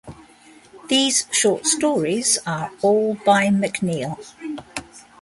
These short stories are all by McNeile.